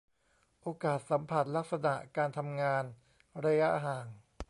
โอกาสสัมผัส ลักษณะการทำงาน ระยะห่าง